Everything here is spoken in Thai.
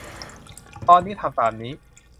ตอนนี้ทำตามนี้